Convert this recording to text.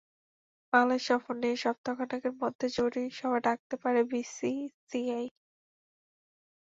বাংলাদেশ সফর নিয়ে সপ্তাহ খানেকের মধ্যে জরুরি সভা ডাকতে পারে বিসিসিআই।